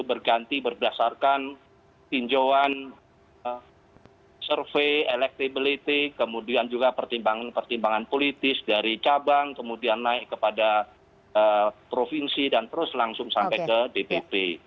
jadi berganti berdasarkan tinjauan survei electability kemudian juga pertimbangan pertimbangan politis dari cabang kemudian naik kepada provinsi dan terus langsung sampai ke dpp